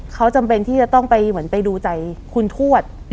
เขาจำเป็นที่จะต้องไปเหมือนไปดูใจคุณทวด